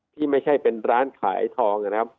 ที่ไม่ใช่เป็นร้านขายทองนะครับ